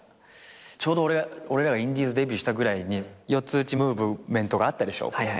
ちょうど俺らがインディーズデビューしたぐらいに４つ打ちムーブメントがあったでしょ？